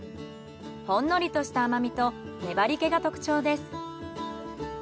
ほんのりとした甘みと粘り気が特徴です。